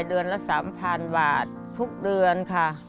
เดือนละ๓๐๐๐บาททุกเดือนค่ะ